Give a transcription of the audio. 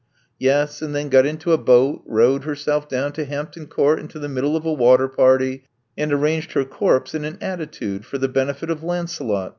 "Yes, and then got into a boat; rowed herself down to Hampton Court into the middle of a water party; and arranged her corpse in an attitude for the benefit of Lancelot.